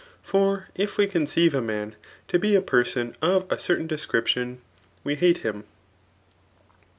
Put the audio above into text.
. For if we conceive a man to he a person of a certain deacaption, we hate lum.